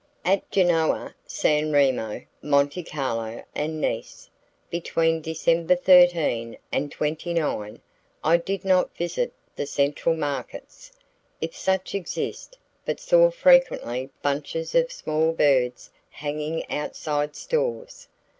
"At Genoa, San Remo, Monte Carlo and Nice, between December 13 and 29, I did not visit the central markets, if such exist, but saw frequently bunches of small birds hanging outside stores....